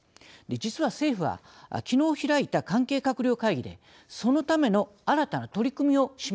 実は政府はきのう開いた関係閣僚会議でそのための新たな取り組みを示しています。